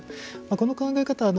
この考え方